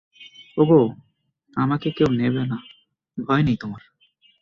ওগো, আমাকে কেউ নেবে না, ভয় নেই তোমার।